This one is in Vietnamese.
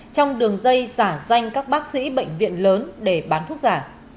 trong đường dây giả danh các bác sĩ bệnh viện lớn để bán thuốc giả